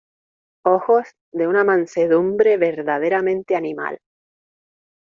ojos de una mansedumbre verdaderamente animal.